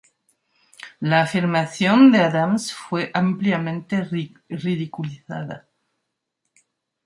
La afirmación de Adams fue ampliamente ridiculizada.